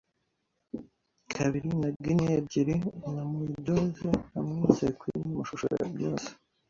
kabiri na gineya ebyiri na moidores hamwe na sequin, amashusho ya byose